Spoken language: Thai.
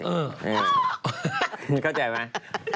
อือเข้าใจไหม